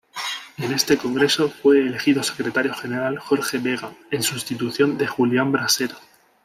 En este Congreso fue elegido Secretario General Jorge Vega, en sustitución de Julián Brasero.